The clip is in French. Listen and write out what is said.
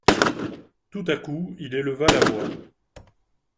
Tout à coup il éleva la voix.